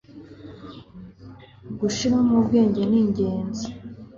gushiramo ubwenge ningenzi